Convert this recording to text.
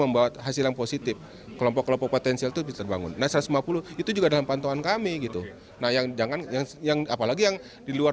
bapak komjen paul soehardi alius